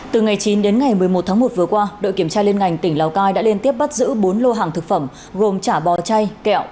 từ ngày chín đến ngày một mươi một tháng một vừa qua đội kiểm tra liên ngành tỉnh lào cai đã liên tiếp bắt giữ bốn lô hàng thực phẩm gồm chả bò chay kẹo